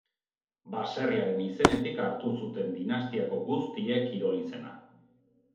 Baserriaren izenetik hartu zuten dinastiako guztiek kirol-izena.